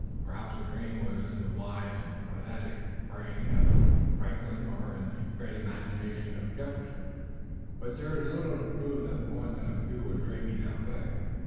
Perhaps the dream was in the wise and prophetic brain of Franklin or in the great imagination of Jefferson, but there is little to prove that more than a few were dreaming that way.